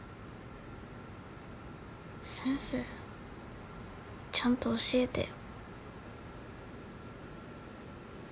先生ちゃんと教えてよ。